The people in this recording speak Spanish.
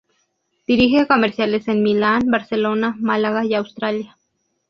Dirige comerciales en Milán, Barcelona, Málaga y Australia.